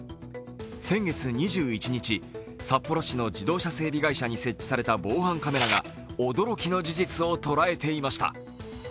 先月２１日、札幌市の自動車整備会社に設置された防犯カメラが驚きの事実を捉えていました。